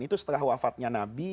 itu setelah wafatnya nabi